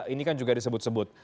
ini kan juga disebut sebut